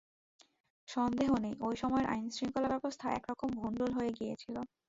সন্দেহ নেই, ওই সময়ের আইনশৃঙ্খলা ব্যবস্থা একরকম ভন্ডুল হয়ে গিয়েছিল।